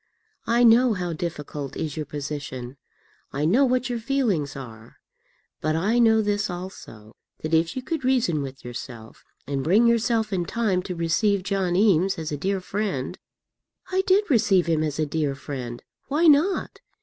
I know how difficult is your position; I know what your feelings are; but I know this also, that if you could reason with yourself, and bring yourself in time to receive John Eames as a dear friend " "I did receive him as a dear friend. Why not?